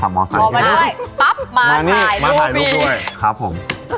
มาถ่ายรูปด้วยครับผม